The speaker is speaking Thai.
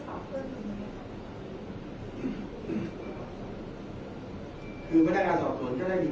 แต่ว่าไม่มีปรากฏว่าถ้าเกิดคนให้ยาที่๓๑